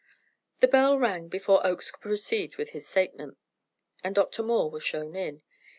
The bell rang before Oakes could proceed with his statement, and Dr. Moore was shown in.